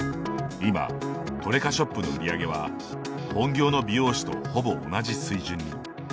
今トレカショップの売り上げは本業の美容師とほぼ同じ水準に。